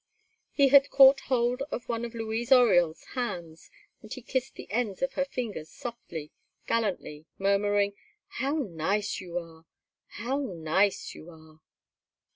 He had caught hold of one of Louise Oriol's hands, and he kissed the ends of her fingers softly, gallantly, murmuring: "How nice you are! How nice you are!"